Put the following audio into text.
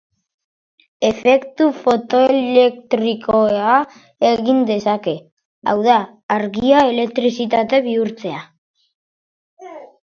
Efektu fotoelektrikoa egin dezake, hau da, argia elektrizitate bihurtzea.